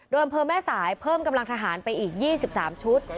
โดยอำเภอแม่สายเพิ่มกำลังทหารไปอีก๒๓ชุด